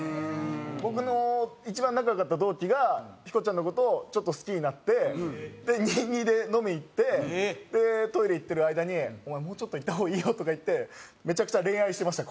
僕の一番仲良かった同期がヒコちゃんの事をちょっと好きになって２２で飲みに行ってトイレ行ってる間に「お前もうちょっといった方がいいよ」とか言ってめちゃくちゃ恋愛してました